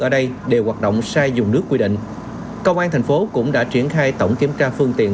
ở đây đều hoạt động sai dùng nước quy định công an thành phố cũng đã triển khai tổng kiểm tra phương tiện